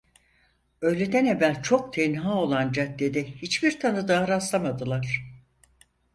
Öğleden evvel çok tenha olan caddede hiçbir tanıdığa rastlamadılar.